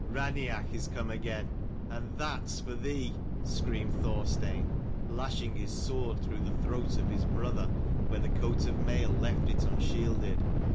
" Raineach is come again, and that's for thee !" screamed Thorstein, lashing his sword through the throat of his brother, where the coat of mail left it unshielded.